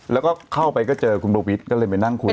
แล้วก็เข้าไปก็เจอคุณโบวิทย์ก็เลยไปนั่งคุย